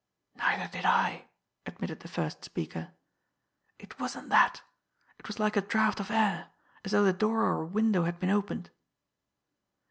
"Neither did I," admitted the first speaker. "It wasn't that it was like a draft of air as though the door or a window had been opened."